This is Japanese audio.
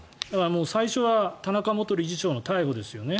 最初は田中元理事長の逮捕ですよね。